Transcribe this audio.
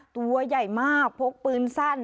ตัวใหญ่มากพกปืนสั้น